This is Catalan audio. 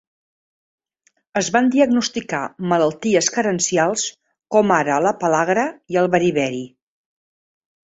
Es van diagnosticar malalties carencials com ara la pel·lagra i el beriberi.